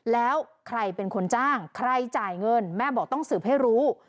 แล้วใครเป็นคนจ้างใครจ่ายเงินแม่บอกต้องสืบให้รู้